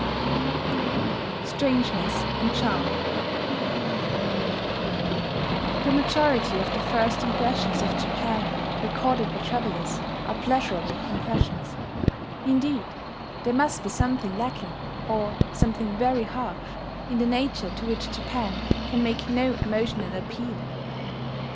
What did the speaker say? STRANGENESS AND CHARM The majority of the first impressions of Japan recorded by travellers are pleasurable impressions. Indeed, there must be something lacking, or something very harsh, in the nature to which Japan can make no emotional appeal.